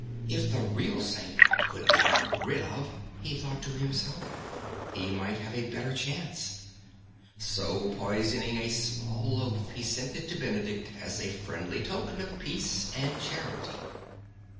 If the real Saint could be got rid of, he thought to himself, he might have a better chance; so, poisoning a small loaf, he sent it to Benedict as a friendly token of peace and charity.